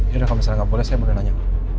yaudah kalau misalnya nggak boleh saya boleh nanya